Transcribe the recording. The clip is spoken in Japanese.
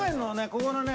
ここのね